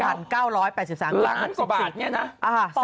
ล้านกว่าบาทนี่นะ